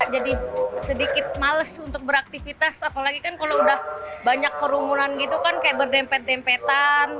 sedikit males untuk beraktivitas apalagi kan kalau udah banyak kerumunan gitu kan kayak berdempet dempetan